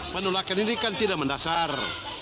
penolakan ini kan tidak mendasar